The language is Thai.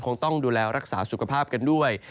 คงต้องดูแลรักษาสุขภาพกันด้วย